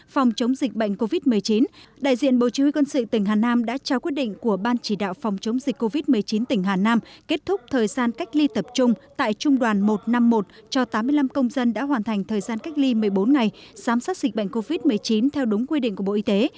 trong đó trường quân sự tỉnh hà nam đã tổ chức bàn giao tám mươi năm công dân hoàn thành thời gian cách ly một mươi bốn ngày sám sát dịch bệnh covid một mươi chín theo đúng quy định của bộ y tế